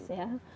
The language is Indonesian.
oh sangat ya